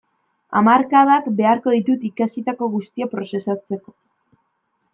Hamarkadak beharko ditut ikasitako guztia prozesatzeko.